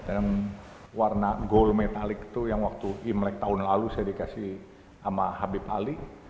dalam warna gol metallic itu yang waktu imlek tahun lalu saya dikasih sama habib ali